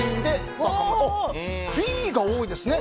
Ｂが多いですね。